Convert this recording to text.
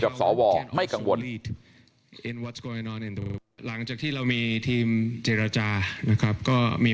กับสวไม่กังวลหลังจากที่เรามีทีมเจรจานะครับก็มี